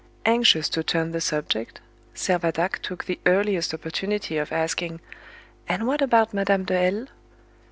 Anxious to turn the subject, Servadac took the earliest opportunity of asking, "And what about Madame de L